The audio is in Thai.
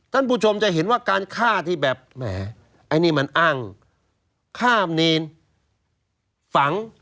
ท่านผู้ชมจะเห็นว่าการฆ่าที่แบบแหมไอ้นี่มันอ้างข้ามเนรฝัง